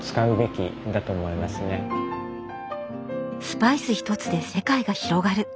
スパイス一つで世界が広がる。